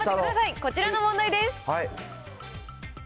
こちらの問題です。